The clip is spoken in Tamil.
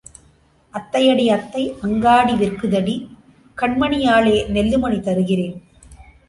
அத்தையடி அத்தை, அங்காடி விற்குதடி, கண்மணியாளே நெல்லுமணி தருகிறேன்.